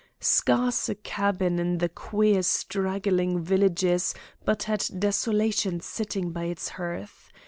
Scarce a cabin in the queer straggling villages but had desolation sitting by its hearth.